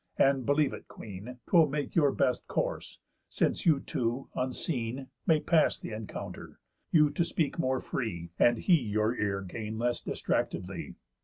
And, believe it, Queen, 'Twill make your best course, since you two, unseen, May pass th' encounter; you to speak more free, And he your ear gain less distractedly."